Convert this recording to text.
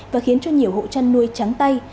và khiến cho nhiều hộ chăn nuôi trắng tay